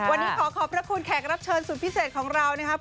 วันนี้ขอขอบพระคุณแขกรับเชิญสุดพิเศษของเรานะครับ